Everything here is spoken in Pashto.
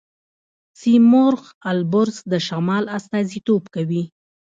سیمرغ البرز د شمال استازیتوب کوي.